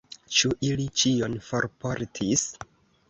Ĉu ili ĉion forportis?